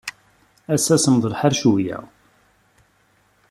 Ass-a, semmeḍ lḥal cwiṭ.